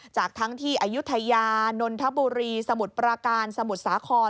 จากทั้งที่อายุทยานนทบุรีสมุทรปราการสมุทรสาคร